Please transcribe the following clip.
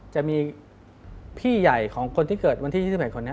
จะมีพี่ใหญ่ของคนที่เกิดวันที่๒๑คนนี้